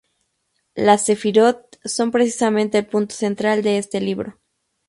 Las "sefirot" son precisamente el punto central de este libro.